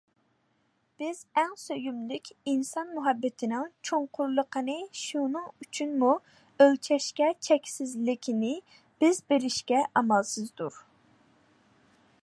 بىز ئەڭ سۆيۈملۈك، ئىنسان مۇھەببەتنىڭ چوڭقۇرلۇقىنى شۇنىڭ ئۇچىنىمۇ ئۆلچەشكە، چەكسىزلىكىنى بىز بىلىشكە ئامالسىزدۇر.